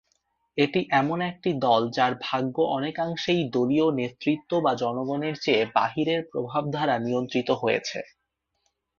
এটি এমন একটি দল যার ভাগ্য অনেকাংশেই দলীয় নেতৃত্ব বা জনগণের চেয়ে বাহিরের প্রভাব দ্বারা নিয়ন্ত্রিত হয়েছে।